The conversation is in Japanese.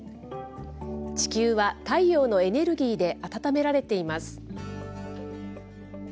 地球は太陽のエネルギーで暖められています。